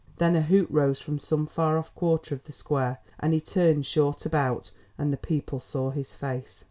Then a hoot rose from some far off quarter of the square, and he turned short about and the people saw his face.